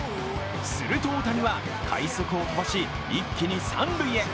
すると大谷は快足を飛ばし、一気に三塁へ。